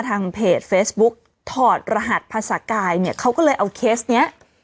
ทางเพจเฟซบุ๊กถอดรหัสภาษากายเนี่ยเขาก็เลยเอาเคสเนี้ย